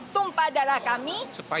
tumpah darah kami